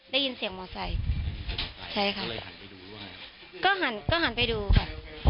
ได้ยินเสียงมอเตอร์ไซค์ใช่ค่ะก็หันก็หันไปดูค่ะ